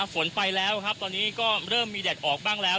ฝนไปแล้วครับตอนนี้ก็เริ่มมีแดดออกบ้างแล้ว